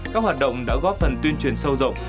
các hoạt động đã góp phần tuyên truyền sâu rộng